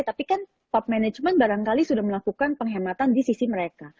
tapi kan pop management barangkali sudah melakukan penghematan di sisi mereka